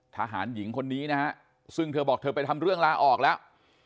ทหารหญิงคนนี้นะฮะซึ่งเธอบอกเธอไปทำเรื่องลาออกแล้ว